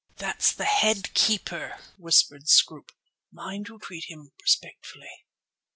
"That's the head keeper," whispered Scroope; "mind you treat him respectfully."